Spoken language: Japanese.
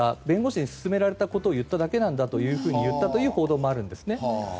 弁護士にすすめられたことを言っただけなんだと言ったという報道もあるんですね。